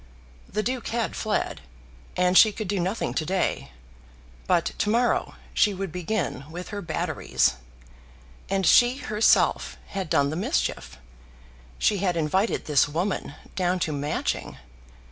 The Duke had fled, and she could do nothing to day; but to morrow she would begin with her batteries. And she herself had done the mischief! She had invited this woman down to Matching!